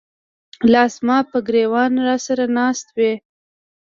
لاس زماپه ګر ېوانه راسره ناست وې